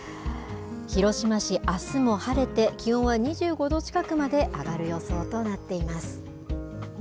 広島市、あすも晴れて、気温は２５度近くまで上がる予想となっています。